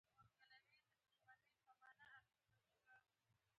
کاناډا په نړیوال سوداګریز سازمان کې دی.